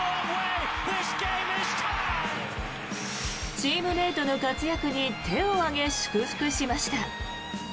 チームメートの活躍に手を上げ、祝福しました。